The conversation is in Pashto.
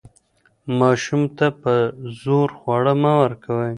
ماشوم ته په زور خواړه مه ورکوئ.